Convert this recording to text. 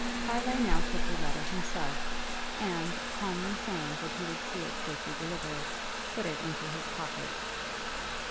Harleigh now took the letter himself, and, calmly saying that he would see it safely delivered, put it into his pocket.